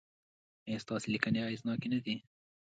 ایا ستاسو لیکنې اغیزناکې نه دي؟